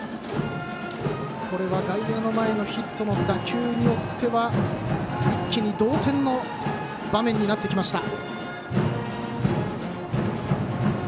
外野の前のヒットの打球によっては一気に同点の場面になってきました。